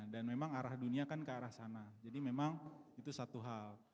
dan memang arah dunia kan ke arah sana jadi memang itu satu hal